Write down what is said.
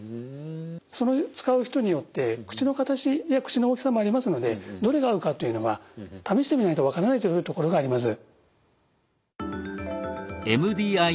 その使う人によって口の形や口の大きさもありますのでどれが合うかっていうのは試してみないと分からないというところがあります。